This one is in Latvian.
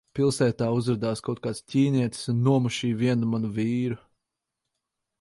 Pilsētā uzradās kaut kāds ķīnietis un nomušīja vienu manu vīru.